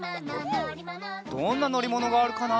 どんなのりものがあるかな？